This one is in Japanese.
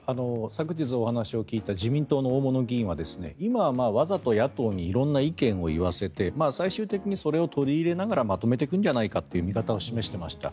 昨日、お話を聞いた自民党の大物議員は今はわざと野党に色んな意見を言わせて最終的にそれを取り入れながらまとめていくんじゃないかという見方を示していました。